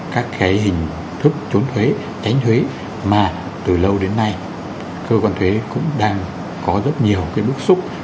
các cái hình thức trốn thuế tránh thuế mà từ lâu đến nay cơ quan thuế cũng đang có rất nhiều cái bức xúc